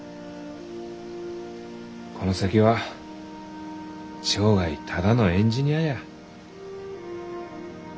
この先は生涯ただのエンジニアじゃ。